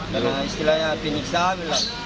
karena istilahnya penyiksaan